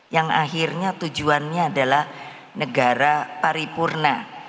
yang akhirnya tujuannya adalah negara paripurna